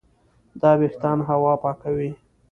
دا وېښتان هوا پاکوي.